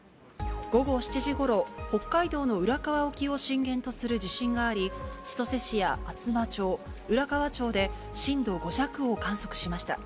午後７時ごろ、北海道の浦河沖を震源とする地震があり、千歳市や厚真町、浦河町で震度５弱を観測しました。